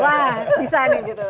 wah bisa nih gitu